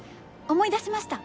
思い出しました。